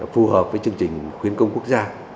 phù hợp với chương trình khuyến công quốc gia